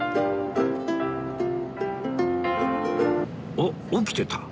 おっ起きてた